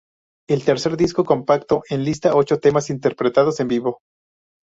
El tercer disco compacto enlista ocho temas interpretados en vivo.